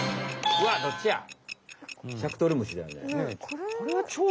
うわどっちや？